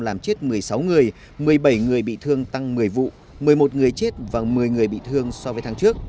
làm chết một mươi sáu người một mươi bảy người bị thương tăng một mươi vụ một mươi một người chết và một mươi người bị thương so với tháng trước